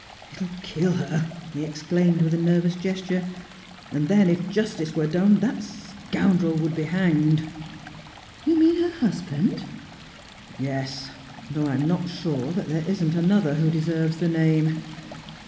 "It will kill her," he exclaimed, with a nervous gesture. "And then, if justice were done, that scoundrel would be hanged!" "You mean her husband?" "Yes. Though I'm not sure that there isn't another who deserves the name.